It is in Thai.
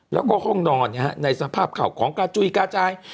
แล้วก็ห้องนอนในสภาพข่าวของกาจุยกระจาย